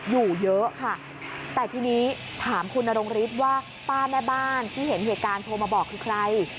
อยู่เยอะค่ะแต่ทีนี้ถามคุณนรงฤทธิ์ว่าป้าแม่บ้านที่เห็นเหตุการณ์โทรมาบอกคือใคร